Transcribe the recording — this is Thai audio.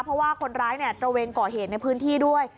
เพราะว่าคนร้ายตระเวนก่อเหตุในพื้นที่ด้วย